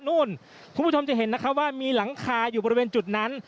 คุณผู้ชมจะเห็นนะคะว่ามีหลังคาอยู่บริเวณจุดนั้น